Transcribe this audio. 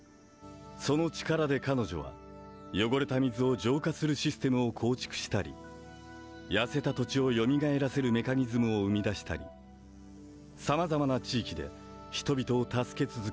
その力で彼女は汚れた水を浄化するシステムを構築したりやせた土地をよみがえらせるメカニズムを生み出したりさまざまな地域で人々を助け続け